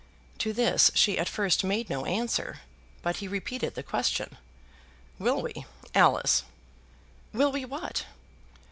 To this she at first made no answer, but he repeated the question. "Will we, Alice?" "Will we what?"